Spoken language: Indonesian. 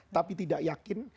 tapi tidak yakin